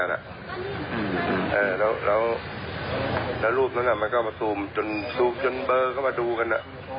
แล้วรูปนั้นมันก็มาซูมจนซูมจนเบอร์เข้ามาดูกัน